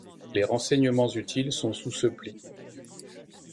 Les renseignements utiles sont sous ce pli.